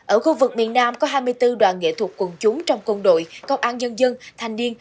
ở khu vực miền nam có hai mươi bốn đoàn nghệ thuật quần chúng trong quân đội công an nhân dân thanh niên